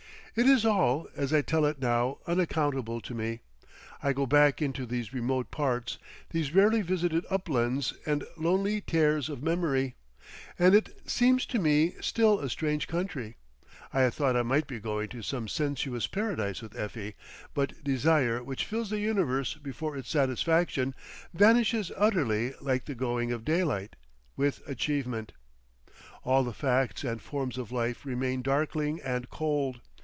It is all, as I tell it now, unaccountable to me. I go back into these remote parts, these rarely visited uplands and lonely tares of memory, and it seems to me still a strange country. I had thought I might be going to some sensuous paradise with Effie, but desire which fills the universe before its satisfaction, vanishes utterly like the going of daylight—with achievement. All the facts and forms of life remain darkling and cold.